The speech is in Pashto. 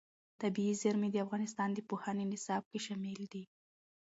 طبیعي زیرمې د افغانستان د پوهنې نصاب کې شامل دي.